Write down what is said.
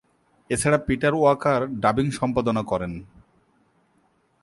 এছাড়া Peter Walker dubbing সম্পাদনা করেন।